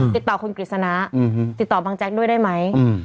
ติดต่อคุณกฤษณะติดต่อบางแจ๊กด้วยได้ไหม